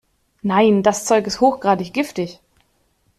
Nein, das Zeug ist hochgradig giftig.